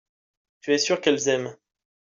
tu es sûr qu'elles aiment.